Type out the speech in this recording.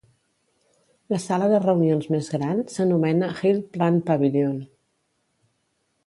La sala de reunions més gran s'anomena Health Plan Pavilion.